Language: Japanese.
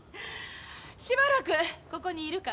しばらくここにいるからね。